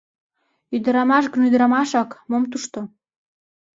Ӱдырамаш гын ӱдырамашак, мом тушто!